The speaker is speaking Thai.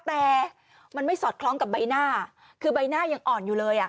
แต่มันไม่สอดคล้องกับใบหน้าคือใบหน้ายังอ่อนอยู่เลยอ่ะ